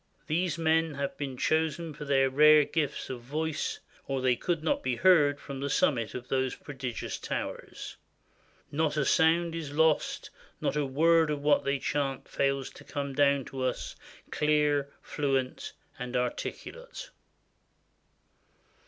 These men have been chosen for their rare gifts of voice, or they could not be heard from the sum mit of those prodigious towers. Not a sound is lost; not a word of what they chant fails to come down to us, clear, fluent, and articulate."